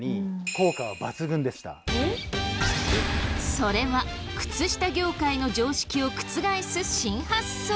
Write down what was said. それは靴下業界の常識を覆す新発想！